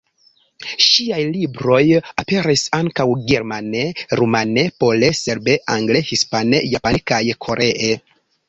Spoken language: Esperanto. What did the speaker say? Ŝiaj libroj aperis ankaŭ germane, rumane, pole, serbe, angle, hispane, japane kaj koree.